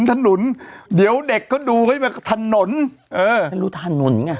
ถนนเดี๋ยวเด็กก็ดูเขาจะมาฮะถนนเออแน่รูถานหนไง